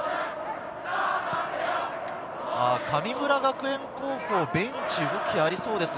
神村学園高校ベンチ、動きがありそうですね。